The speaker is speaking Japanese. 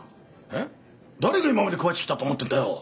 えっ誰が今まで食わしてきたと思ってるんだよ！？